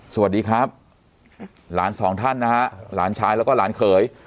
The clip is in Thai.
สวัสดีครับหลานสองท่านนะฮะหลานชายแล้วก็หลานเขย